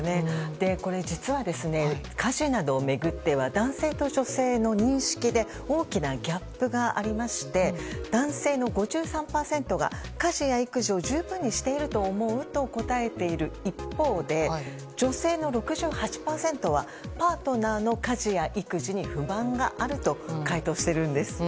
実は、家事などを巡っては男性と女性の認識で大きなギャップがありまして男性の５３％が家事や育児を十分にしていると思うと答えている一方で女性の６８％はパートナーの家事や育児に不満があると回答しているんです。